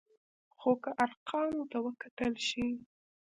خو که ارقامو ته وکتل شي،